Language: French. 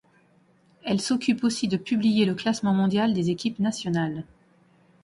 Elle s'occupe aussi de publier le classement mondial des équipes nationales.